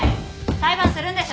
裁判するんでしょ？